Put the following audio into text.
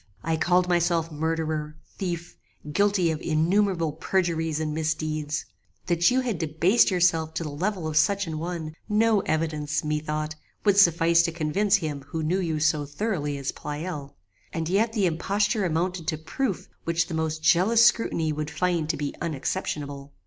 I called myself murderer, thief, guilty of innumerable perjuries and misdeeds: that you had debased yourself to the level of such an one, no evidence, methought, would suffice to convince him who knew you so thoroughly as Pleyel; and yet the imposture amounted to proof which the most jealous scrutiny would find to be unexceptionable.